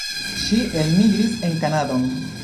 Ŝi elmigris en Kanadon.